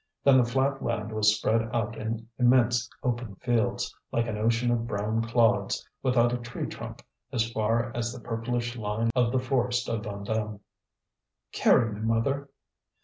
Then the flat land was spread out in immense open fields, like an ocean of brown clods, without a tree trunk, as far as the purplish line of the forest of Vandame. "Carry me, mother."